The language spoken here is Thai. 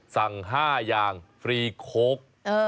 สั่ง๕อย่างฟรีโค้ก